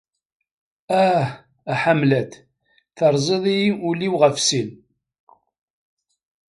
Ah, a Hamlet, terẓiḍ-i ul-iw ɣef sin.